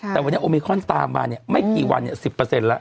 แต่วันนี้โอมิคอนตามมาไม่กี่วัน๑๐แล้ว